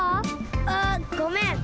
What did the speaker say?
あっごめん。